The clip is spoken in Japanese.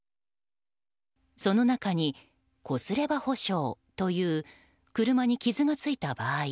その中にこすれば保証という車に傷がついた場合